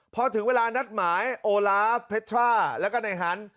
พอถึงเวลานัดหมายโอลาฟเพชทราแล้วก็ในฮันต์